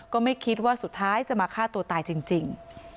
ก็ไม่คิดว่าสุดท้ายจะมาฆ่าตัวตายจริง